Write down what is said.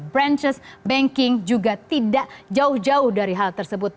branchess banking juga tidak jauh jauh dari hal tersebut